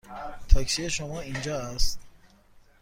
تاکسی شما اینجا است.